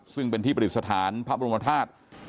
ซึ่งเป็นที่ประดิษฐานพระบรมธาตุ